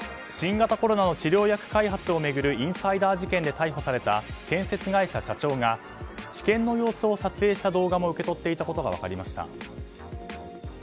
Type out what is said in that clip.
新型コロナの治療薬開発を巡るインサイダー事件で逮捕された建設会社社長が治験の様子を撮影した動画も受け取っていたことが分かりました。